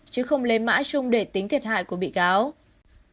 chứ không lấy mã chung để tính thiệt hại của bị cáo